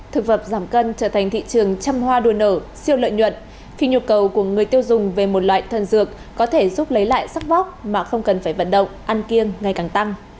thực vật giảm cân trở thành thị trường chăm hoa đua nở siêu lợi nhuận khi nhu cầu của người tiêu dùng về một loại thần dược có thể giúp lấy lại sắc vóc mà không cần phải vận động ăn kiêng ngày càng tăng